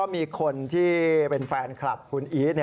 มีคนที่เป็นแฟนคลับคุณอีท